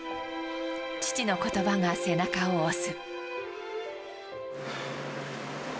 父のことばが背中を押す。